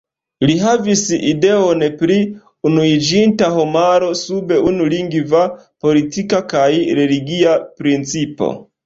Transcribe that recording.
Li havis ideon pri unuiĝinta homaro sub unu lingva, politika kaj religia principo.